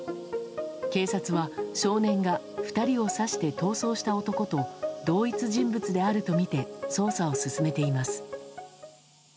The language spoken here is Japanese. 警察は、少年が２人を刺して逃走した男と同一人物であるとみて捜査を進めています。